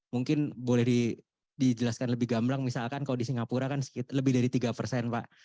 mungkin boleh dijelaskan lebih gamblang misalkan kalau di singapura kan lebih dari tiga persen pak